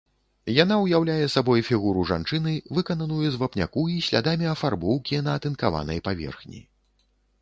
Яна ўяўляе сабой фігуру жанчыны, выкананую з вапняку і слядамі афарбоўкі на атынкаванай паверхні.